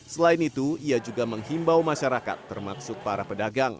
selain itu ia juga menghimbau masyarakat termaksud para pedagang